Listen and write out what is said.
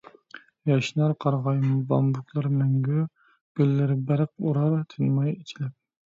ياشنار قارىغاي، بامبۇكلار مەڭگۈ، گۈللەر بەرق ئۇرار تىنماي ئېچىلىپ.